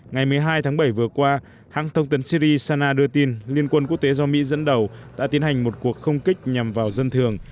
ngày một mươi hai tháng bảy vừa qua hãng thông tấn syri sana đưa tin liên quân quốc tế do mỹ dẫn đầu đã tiến hành một cuộc không kích nhằm vào dân thường